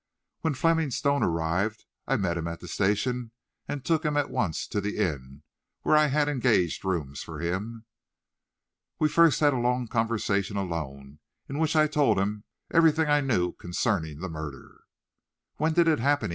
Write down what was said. When Fleming Stone arrived I met him at the station and took him at once to the inn, where I had engaged rooms for him. We first had a long conversation alone, in which I told him, everything I knew concerning the murder. "When did it happen?"